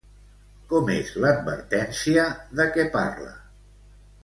Com és l'advertència de què parla?